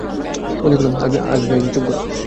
মজা করলাম, আসবে আসবে, - চুপ কর।